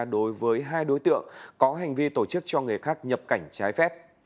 đối với hai đối tượng có hành vi tổ chức cho người khác nhập cảnh trái phép